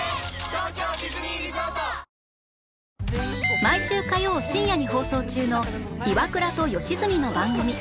毎週火曜深夜に放送中の『イワクラと吉住の番組』